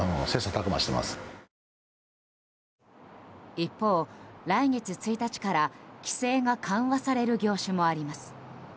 一方、来月１日から規制が緩和される業種もあります。